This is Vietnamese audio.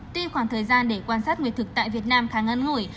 tuy khoảng thời gian để quan sát nguyệt thực tại việt nam khá ngân ngủi